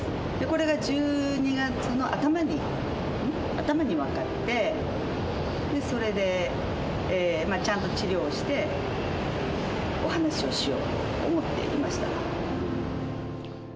これが１２月の頭に分かってそれでちゃんと治療をしてお話をしようと思っていました